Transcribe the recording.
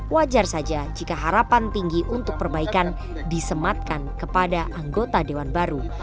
wajar saja jika harapan tinggi untuk perbaikan disematkan kepada anggota dewan baru